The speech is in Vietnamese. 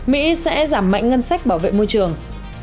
mỹ sẽ giảm mạnh ngân sách bảo vệ môi trường